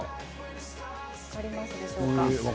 分かりますでしょうか？